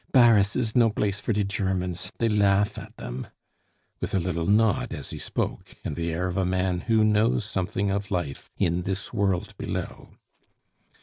Baris is no blace for die Germans; dey laugh at dem" (with a little nod as he spoke, and the air of a man who knows something of life in this world below).